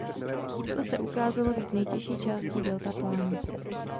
To se ukázalo být nejtěžší částí Delta plánu.